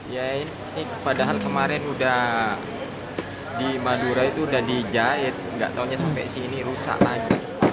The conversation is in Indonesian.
ya ini padahal kemarin udah di madura itu udah dijahit gak taunya sampai sini rusak lagi